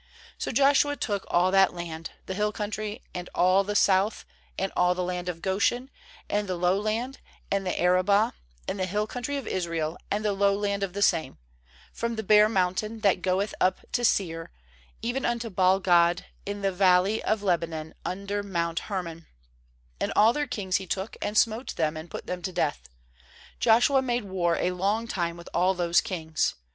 16So Joshua took all that land, the hill country, and all the South, and all the land of Goshen, and the Low land, and the Arabah, and the hill country of Israel, and the Lowland of the same; 17from the bare mountain, that goeth up to Seir, even unto Baal gad in the valley of Lebanon un der mount Hermon; and all their kings he took, and smote them, and put them tof death. 18 Joshua made war a long time with all those kings.